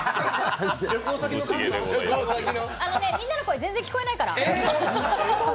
あのね、みんなの声全然聞こえないから。